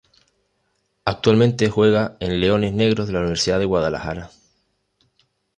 Actualmente juega en Leones Negros de la Universidad de Guadalajara.